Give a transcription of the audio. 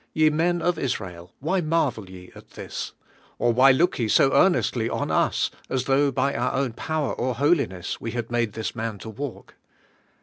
Ye men of Israel, why marvel ye at thial or why look ye so earnestly on us, as though hy oiu own power or holiness, we had matte tills man to walk?